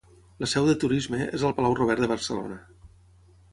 La seu de Turisme és al Palau Robert de Barcelona.